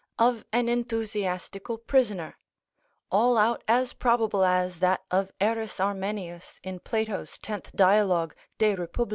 of an enthusiastical prisoner, (all out as probable as that of Eris Armenius, in Plato's tenth dialogue de Repub.